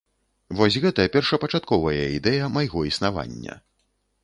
Вось гэта першапачатковая ідэя майго існавання.